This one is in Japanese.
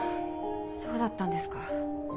そうだったんですか。